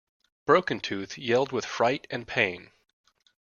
Broken-Tooth yelled with fright and pain.